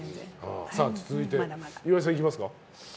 続いて、岩井さんいきますか。